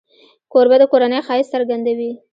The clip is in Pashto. کوربه د کورنۍ ښایست څرګندوي.